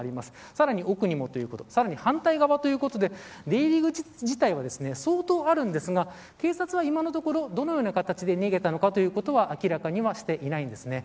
さらに奥にも反対側にもということで出入り口自体は相当あるんですけど警察は今のところどのような形で逃げたのかということは明らかにはしていないんです。